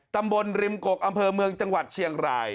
ตำบลริมกกอำเภอเมืองจังหวัดเชียงราย